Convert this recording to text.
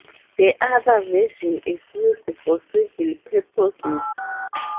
The other version is used for civil purposes.